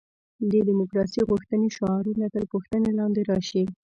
د دیموکراسي غوښتنې شعارونه تر پوښتنې لاندې راشي.